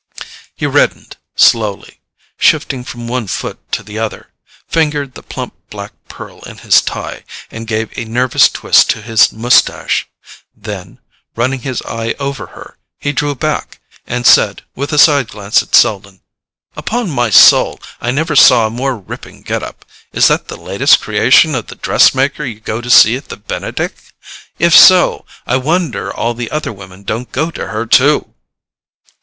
He reddened slowly, shifting from one foot to the other, fingered the plump black pearl in his tie, and gave a nervous twist to his moustache; then, running his eye over her, he drew back, and said, with a side glance at Selden: "Upon my soul, I never saw a more ripping get up. Is that the last creation of the dress maker you go to see at the Benedick? If so, I wonder all the other women don't go to her too!"